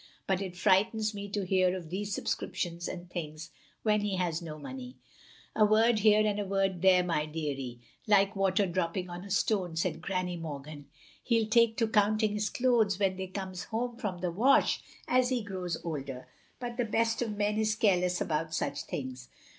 "But it frightens me to hear of these subscriptions and things when he has no money." "A word here and a word there, my deary, like water dropping on a stone, " said Granny Morgan ; "he'll take to counting his clothes when they comes home from the wash as he grows older, but the best of men is careless about such things.